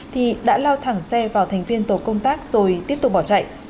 thì đã lao thẳng xe vào thành viên tổ công tác rồi tiếp tục bỏ chạy